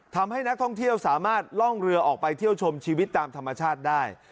ทำให้นักท่องเที่ยวสามารถล่องเรือออกไปเที่ยวชมชีวิตตามธรรมชาติได้